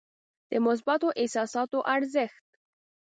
د مثبتو احساساتو ارزښت.